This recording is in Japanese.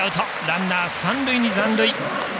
ランナー、三塁に残塁。